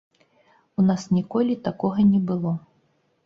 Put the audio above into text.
У нас ніколі такога не было.